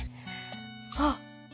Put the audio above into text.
あっ！